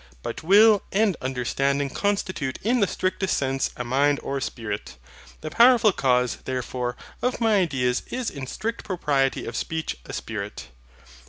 But will and understanding constitute in the strictest sense a mind or spirit. The powerful cause, therefore, of my ideas is in strict propriety of speech a SPIRIT.